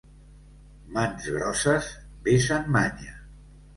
Mans grosses vessen manya.